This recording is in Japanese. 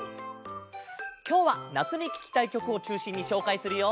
きょうは夏にききたいきょくをちゅうしんにしょうかいするよ。